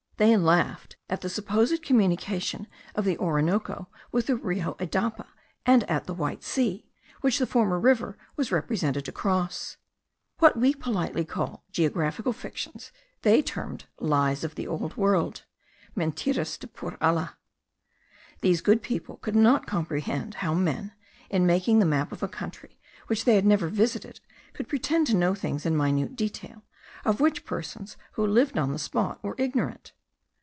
They laughed at the supposed communication of the Orinoco with the Rio Idapa, and at the White Sea, which the former river was represented to cross. What we politely call geographical fictions they termed lies of the old world (mentiras de por alla). These good people could not comprehend how men, in making the map of a country which they had never visited, could pretend to know things in minute detail, of which persons who lived on the spot were ignorant.